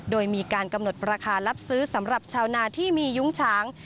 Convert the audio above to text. โดยมีการกำหนดราคารับซื้อสำหรับชาวนาที่มียุ้งฉาง